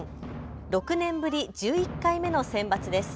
６年ぶり１１回目のセンバツです。